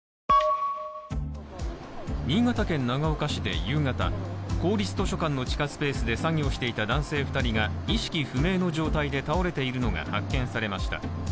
新潟県長岡市で夕方、公立図書館の地下スペースで作業していた男性２人が意識不明の状態で倒れているのが発見されました。